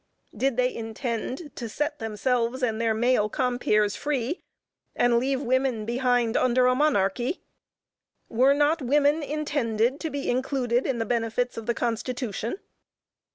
Did they intend to set themselves and their male compeers free, and leave women behind, under a monarchy? Were not women intended to be included in the benefits of the constitution?